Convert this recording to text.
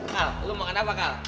kal lo mau makan apa kal